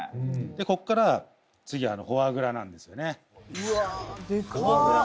ここから次はフォアグラなんですよねうわあデカっ！